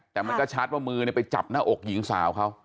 แต่มันก็ชัดว่ามือไปจับหน้าอกหญิงสาวเขา